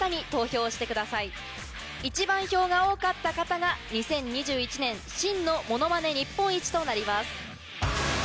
一番票が多かった方が２０２１年真のものまね日本一となります。